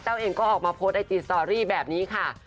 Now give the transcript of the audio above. เองก็ออกมาโพสต์ไอจีสตอรี่แบบนี้ค่ะ